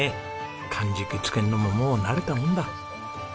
かんじきつけるのももう慣れたもんだ。